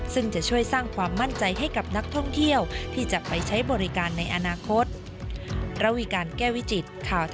ซึ่งจะช่วยสร้างความมั่นใจให้กับนักท่องเที่ยวที่จะไปใช้บริการในอนาคต